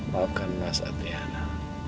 maafkan mas adriana